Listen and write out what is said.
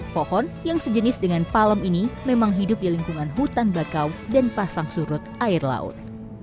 pohon yang sejenis dengan palem ini memang hidup di lingkungan hutan bakau dan pasang surut air laut